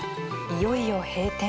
いよいよ閉店。